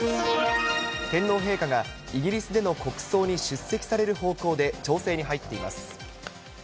天皇陛下が、イギリスでの国葬に出席される方向で調整に入っています。